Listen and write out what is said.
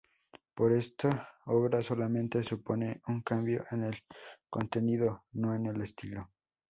Pero esta obra solamente supone un cambio en el contenido, no en el estilo.